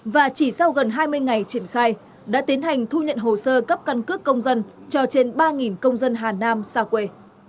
và chỉ sau gần hai mươi ngày triển khai đã tiến hành thu nhận hồ sơ cấp căn cước công dân cho trên ba công dân hà nam xa quê